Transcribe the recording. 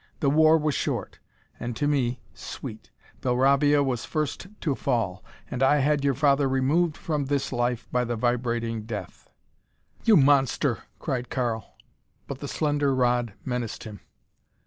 The war was short and, to me, sweet. Belravia was first to fall, and I had your father removed from this life by the vibrating death." "You monster!" cried Karl. But the slender rod menaced him.